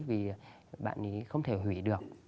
vì bạn ấy không thể hủy được